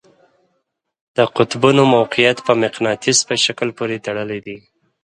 د قطبونو موقیعت په مقناطیس په شکل پورې تړلی دی.